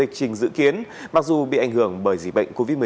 theo lịch trình dự kiến mặc dù bị ảnh hưởng bởi dị bệnh covid một mươi chín